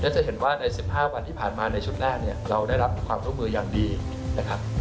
จะเห็นว่าใน๑๕วันที่ผ่านมาในชุดแรกเนี่ยเราได้รับความร่วมมืออย่างดีนะครับ